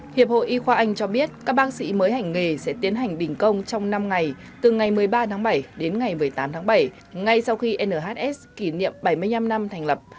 hiệp hội y khoa anh cho biết các bác sĩ mới hành nghề sẽ tiến hành đình công trong năm ngày từ ngày một mươi ba tháng bảy đến ngày một mươi tám tháng bảy ngay sau khi nhs kỷ niệm bảy mươi năm năm thành lập